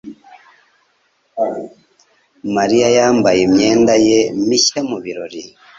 Mariya yambaye imyenda ye mishya mu birori.